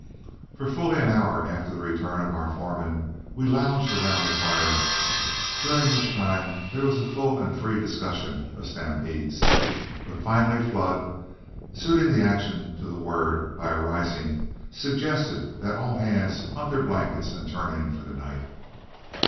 For fully an hour after the return of our foreman, we lounged around the fire, during which there was a full and free discussion of stampedes. But finally, Flood, suiting the action to the word by arising, suggested that all hands hunt their blankets and turn in for the night.